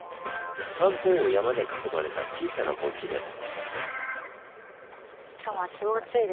三方を山で囲まれた小さな盆地です。